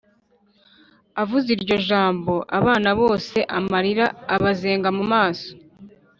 avuze iryo jambo abana bose amarira abazenga mu maso